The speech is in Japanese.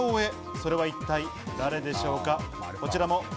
それは一体誰でしょうか？